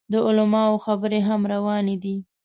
د علماو خبرې هم روانې دي.